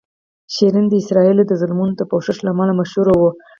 شیرین د اسرائیلو د ظلمونو د پوښښ له امله مشهوره وه.